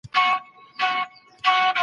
نبوت د اسماني وحی پر بنسټ دی.